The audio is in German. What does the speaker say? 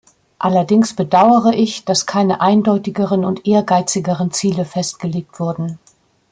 Allerdings bedauere ich, dass keine eindeutigeren und ehrgeizigeren Ziele festgelegt wurden.